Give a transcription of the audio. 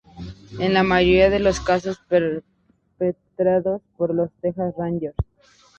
En la mayoría de los casos perpetrados por los Texas Rangers.